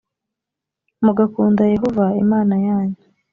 mugakunda yehova imana yanyu